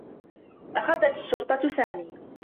أخذت الشّرطة سامي.